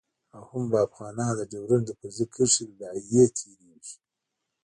او هم به افغانان د ډیورند د فرضي کرښې د داعیې نه تیریږي